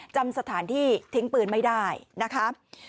จำสถานที่ทิ้งปืนไม่ได้นะคะ